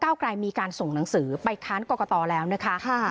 กลายมีการส่งหนังสือไปค้านกรกตแล้วนะคะ